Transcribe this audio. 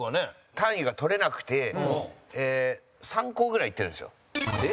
単位が取れなくて３校ぐらい行ってるんですよ。